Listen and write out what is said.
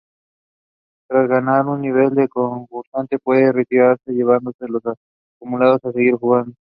Tras ganar un nivel, el concursante puede retirarse llevándose lo acumulado o seguir jugando.